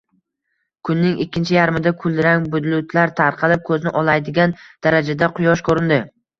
Kunning ikkinchi yarmida kulrang bulutlar tarqalib, ko`zni olmaydigan darajada quyosh ko`rindi